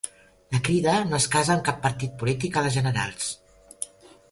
La Crida no es casa amb cap partit polític a les generals